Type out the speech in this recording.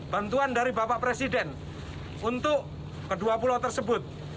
bantuan dari bapak presiden untuk kedua pulau tersebut